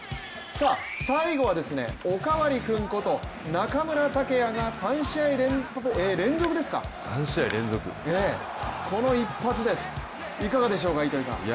最後はおかわり君こと中村剛也が３試合連続ですか、この一発です、いかがでしょうか。